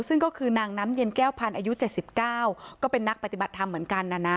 ซึ่งก็คือนางน้ำเย็นแก้วพันธ์อายุ๗๙ก็เป็นนักปฏิบัติธรรมเหมือนกันนะนะ